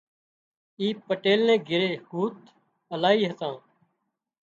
اي پٽيل نِي گھري هوٿ الاهي هتان